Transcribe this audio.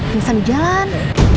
bisa di jalan